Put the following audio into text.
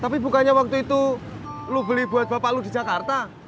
tapi bukannya waktu itu lu beli buat bapak lu di jakarta